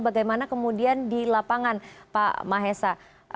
bagaimana kemudian di lapangan pak mahesa